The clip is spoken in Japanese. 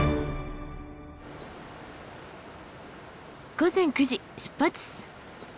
午前９時出発。